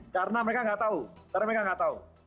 karena mereka nggak tahu